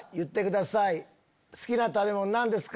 好きな食べ物何ですか？